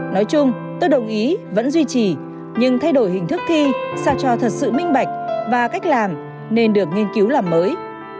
nói chung tôi đồng ý vẫn duy trì nhưng thay đổi hình thức thi sao cho thật sự minh bạch và cách làm nên được nghiên cứu làm mới